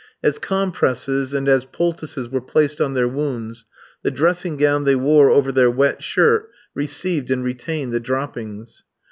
As compresses and as poultices were placed on their wounds, the dressing gown they wore over their wet shirt received and retained the droppings.